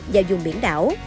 và dùng biển đảo